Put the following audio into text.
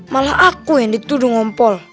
malah aku yang dituduh ngompol